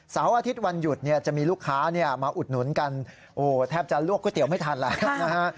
อาทิตย์วันหยุดเนี่ยจะมีลูกค้ามาอุดหนุนกันโอ้แทบจะลวกก๋วยเตี๋ยวไม่ทันแล้วนะฮะ